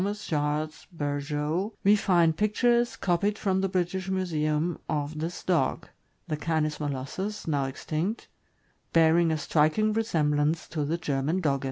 Charles Berjeau, we find pictures, copied from the British Museum, of this dog — the Canis molossus, now extinct — bearing a striking resemblance to the German Dogge.